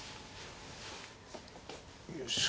よいしょ。